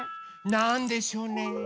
なんでしょうね？